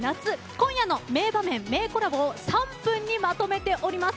今夜の名場面、名コラボを３分にまとめております。